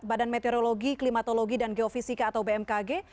badan meteorologi klimatologi dan geofisika atau bmkg